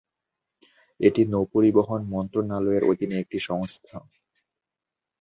এটি নৌপরিবহন মন্ত্রণালয়ের অধীনে একটি সংস্থা।